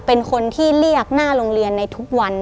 เป็นคนที่เรียกหน้าโรงเรียนในทุกวัน